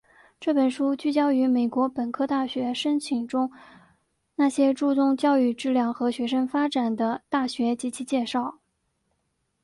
这本书聚焦于美国本科大学申请中那些注重教育质量和学生发展的大学及其介绍。